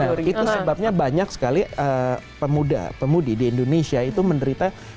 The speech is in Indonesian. betul itu sebabnya banyak sekali pemuda pemudi di indonesia itu menderita